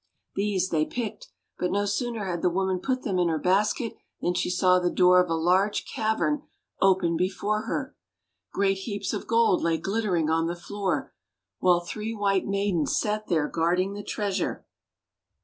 These they picked. But no sooner had the woman put them in her basket than she saw the door of a large cavern open before her. Great heaps of gold lay glittering on the floor, while three White Maidens sat there guarding the treasure.